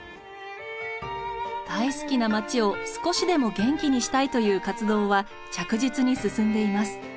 大好きな町を少しでも元気にしたいという活動は着実に進んでいます。